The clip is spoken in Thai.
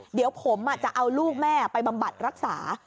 เดี๋ยวผมจะเอาลูกแม่ไปบำบัดรักษา